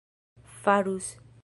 farus